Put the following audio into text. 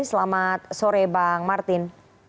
selamat sore bang martin